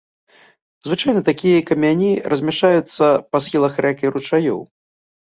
Звычайна такія камяні размяшчаюцца па схілах рэк і ручаёў.